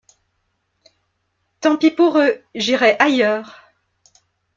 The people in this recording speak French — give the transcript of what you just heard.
Tant pis pour eux, j'irai ailleurs.